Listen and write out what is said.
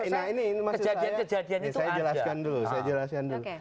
nah ini mas arya saya jelaskan dulu